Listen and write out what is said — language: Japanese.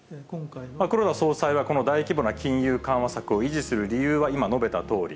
黒田総裁は、この大規模な金融緩和策を維持する理由は今、述べたとおり。